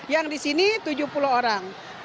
yang di sini tujuh puluh orang